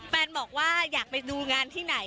บอกว่าอยากไปดูงานที่ไหน